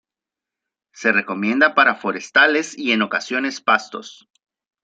Se recomienda para forestales y en ocasiones pastos.